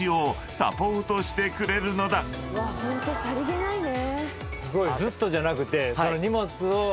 ホントさりげないね。